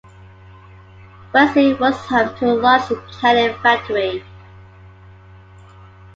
West Lee was home to a large canning factory.